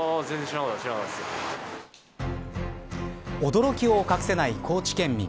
驚きを隠せない高知県民。